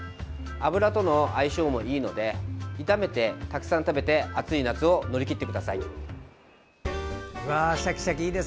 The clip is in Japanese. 油との相性も良いので炒めてたくさん食べて暑い夏を乗り切ってください。